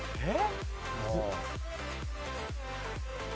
えっ？